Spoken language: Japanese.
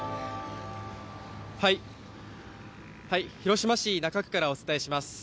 広島市中区からお伝えします。